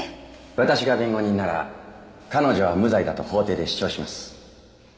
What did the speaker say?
私が弁護人なら彼女は無罪だと法廷で主張します。